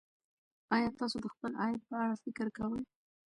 ایا تاسو د خپل عاید په اړه فکر کوئ.